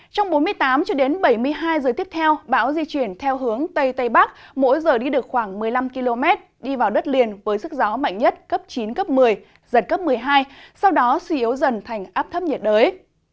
trong bốn mươi tám bảy mươi hai giờ tiếp theo bão di chuyển theo hướng tây tây bắc mỗi giờ đi được khoảng một mươi năm km đi vào đất liền với sức gió mạnh nhất cấp chín cấp một mươi giật cấp một mươi hai sau đó suy yếu dần thành áp thấp nhiệt đới